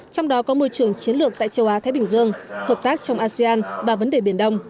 trong đó có môi trường chiến lược tại châu á thái bình dương hợp tác trong asean và vấn đề biển đông